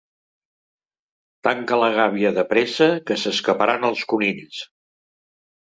Tanca la gàbia de pressa que s'escaparan els conills.